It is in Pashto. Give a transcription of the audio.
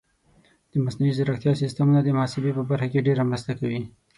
د مصنوعي ځیرکتیا سیستمونه د محاسبې په برخه کې ډېره مرسته کوي.